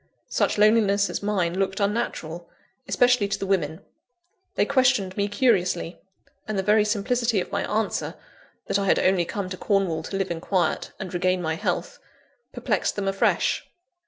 Such loneliness as mine looked unnatural especially to the women. They questioned me curiously; and the very simplicity of my answer, that I had only come to Cornwall to live in quiet, and regain my health, perplexed them afresh.